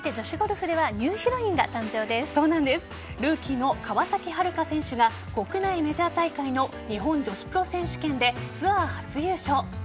ルーキーの川崎春花選手が国内メジャー大会の日本女子プロ選手権でツアー初優勝。